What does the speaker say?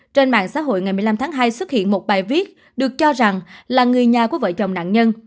trên mạng xã hội ngày một mươi năm tháng hai xuất hiện một bài viết được cho rằng là người nhà của vợ chồng nạn nhân